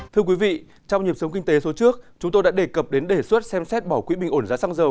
thưa quý vị trong nhịp sống kinh tế số trước chúng tôi đã đề cập đến đề xuất xem xét bỏ quỹ bình ổn giá xăng dầu